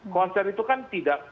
konser itu kan tidak